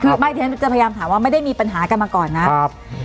คือจะพยายามถามว่าไม่ได้มีปัญหากันมาก่อนนะ